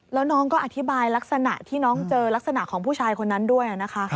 แล้วน้องก็อธิบายลักษณะที่น้องเจอลักษณะของผู้ชายคนนั้นด้วยนะคะ